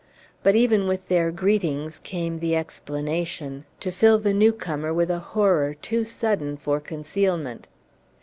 But even with their greetings came the explanation, to fill the newcomer with a horror too sudden for concealment.